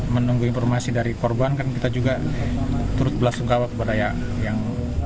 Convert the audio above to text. menunggu informasi dari korban kan kita juga turut belasungkawa kepada yang